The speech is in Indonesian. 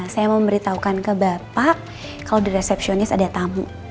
saya mau memberitahukan ke bapak kalau di resepsionis ada tamu